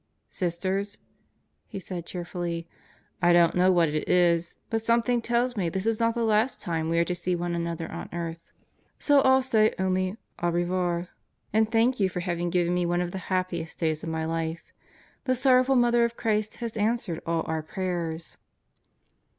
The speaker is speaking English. "Sisters," he said cheer fully, "I don't know what it is, but something tells me this is not the last time we are to see one another on earth. So I'll say only Au revoir and thank you for having given me one of the happiest days of my life. The Sorrowful Mother of Christ has answered all our prayers."